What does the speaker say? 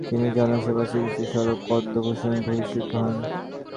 তিনি জনসেবার স্বীকৃতিস্বরূপ পদ্মভূষণ ভূষিত হন।